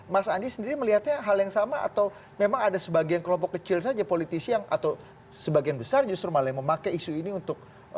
mas andi sendiri melihatnya hal yang sama atau memang ada sebagian kelompok kecil saja politisi yang atau sebagian besar justru malah yang memakai isu ini untuk